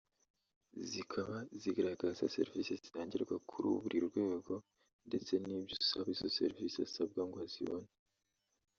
zikaba zigaragaza servisi zitangirwa kuri buri rwego ndetse n’ibyo usaba izo serivisi asabwa ngo azibone